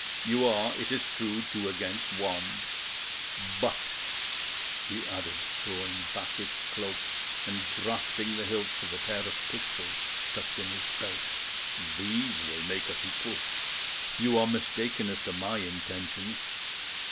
You are, it is true, two against one; but," he added, throwing back his cloak and grasping the hilts of a pair of pistols tucked in his belt, "these will make us equal. You are mistaken as to my intentions.